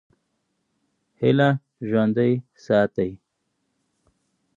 هیله ژوندۍ ساتئ.